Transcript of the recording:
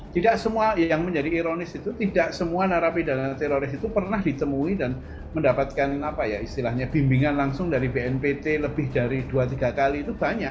tidak semua yang menjadi ironis itu tidak semua narapidana teroris itu pernah ditemui dan mendapatkan apa ya istilahnya bimbingan langsung dari bnpt lebih dari dua tiga kali itu banyak